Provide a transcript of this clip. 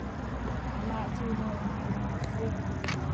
Amah cu nawl a ngaimi a si.